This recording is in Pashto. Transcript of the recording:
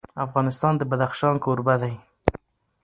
افغانستان د بدخشان کوربه دی.